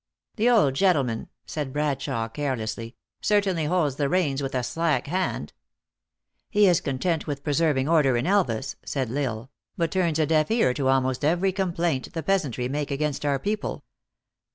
" The old gentleman," said Bradshawe, carelessly, " certainly holds the reins with a slack hand." " lie is content with preserving order in Elvas," said L Isle ;" but turns a deaf ear to almost every complaint the peasantry make against our people."